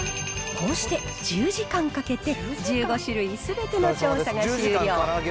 こうして１０時間かけて、１５種類すべての調査が終了。